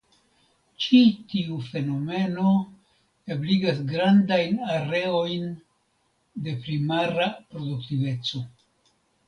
Ĉi tiu fenomeno ebligas grandajn areojn de primara produktiveco.